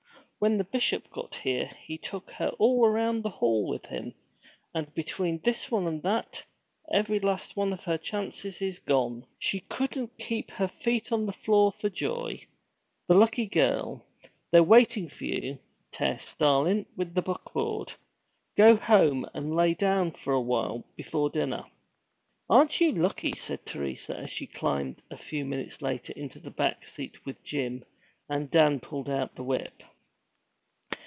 'When the Bishop got here, he took her all around the hall with him, and between this one and that, every last one of her chances is gone. She couldn't keep her feet on the floor for joy. The lucky girl! They're waitin' for you, Tess, darlin', with the buckboard. Go home and lay down a while before dinner.' 'Aren't you lucky!' said Teresa, as she climbed a few minutes later into the back seat with Jim, and Dan pulled out the whip.